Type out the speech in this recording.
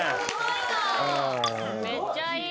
めっちゃいいわ。